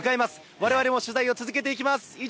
われわれも取材を続けていきます。